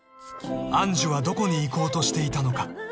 ［愛珠はどこに行こうとしていたのか？］